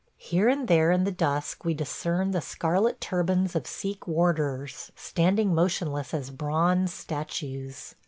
Here and there in the dusk we discern the scarlet turbans of Sikh warders, standing motionless as bronze statues.